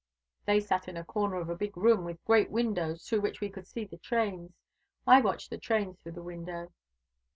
"They sat in a corner of a big room, with great windows through which we could see the trains. I watched the trains through the window."